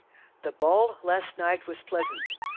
The ball last night was pleasant....